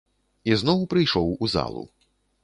Ізноў прыйшоў у залу.